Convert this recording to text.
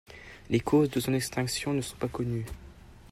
Les causes de son extinction ne sont pas connues.